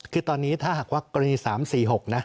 คือตอนนี้ถ้าหากว่ากรณี๓๔๖นะ